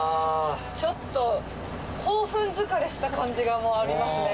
ちょっと興奮疲れした感じがありますね。